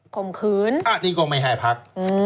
มขืนอันนี้ก็ไม่ให้พัก